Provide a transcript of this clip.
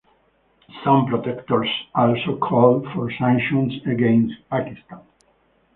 Some protestors also called for sanctions against Pakistan.